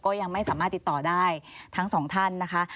ยังไม่สามารถติดต่อได้ทั้งสองท่านนะคะ